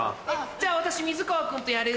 じゃあ私水川君とやる。